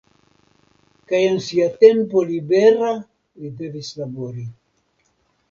Kaj en sia tempo libera li devis labori.